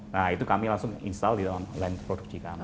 nah itu kami langsung install di dalam land produksi kami